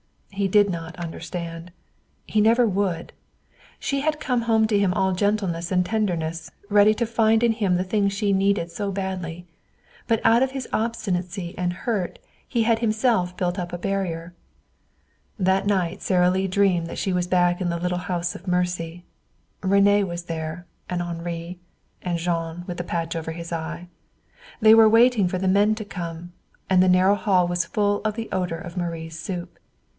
He did not understand. He never would. She had come home to him all gentleness and tenderness, ready to find in him the things she needed so badly. But out of his obstinacy and hurt he had himself built up a barrier. That night Sara Lee dreamed that she was back in the little house of mercy. René was there; and Henri; and Jean, with the patch over his eye. They were waiting for the men to come, and the narrow hall was full of the odor of Marie's soup.